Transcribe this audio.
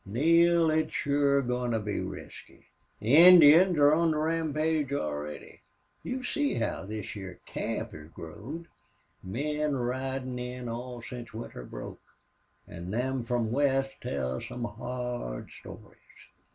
Neale, it's shore goin' to be risky. The Injuns are on the rampage already. You see how this heah camp has growed. Men ridin' in all since winter broke. An' them from west tell some hard stories."